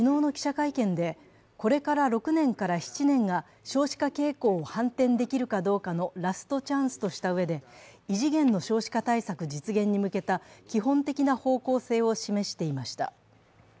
岸田総理は昨日の記者会見で、これから６年から７年が少子化傾向を反転できるかどうかのラストチャンスとしたうえで、異次元の少子化対策実現に向けた基本的な方向性を示していました。